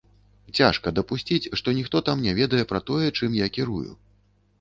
Цяжка дапусціць, што ніхто там не ведае пра тое, чым я кірую.